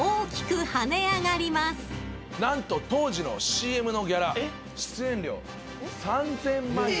何と当時のＣＭのギャラ出演料３，０００万円。